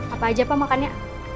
apa aja pak makannya